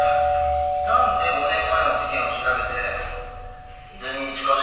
なんで５年前の事件を調べて井出に近づいたんでしょう？